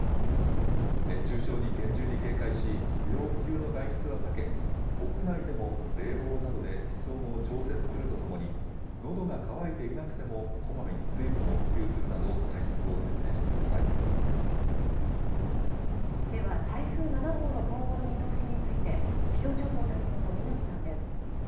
熱中症に厳重に警戒し、不要不急の外出は避け、屋内でも冷房などで室温を調節するとともに、のどが渇いていなくてもこまめに水分を補給するなど、では、台風７号の今後の見通しについて、気象情報担当の南さんです。